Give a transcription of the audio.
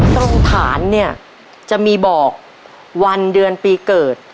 ตรงฐานเนี่ยจะมีบอกวันเดือนปีเกิด